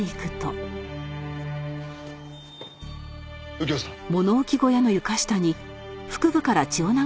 右京さん。